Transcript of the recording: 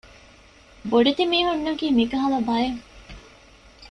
ބޮޑެތި މީހުންނަކީ މިކަހަލަ ބައެއް